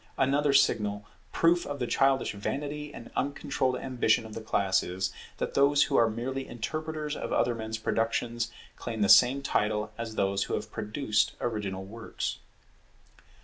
Another signal proof of the childish vanity and uncontrolled ambition of the class is, that those who are merely interpreters of other men's productions claim the same title as those who have produced original works.